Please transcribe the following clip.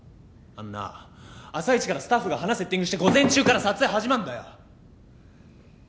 あんなあ朝一からスタッフが花セッティングして午前中から撮影始まんだよ